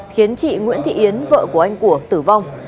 khiến chị nguyễn thị yến vợ của anh của tử vong